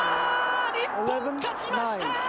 日本、勝ちました！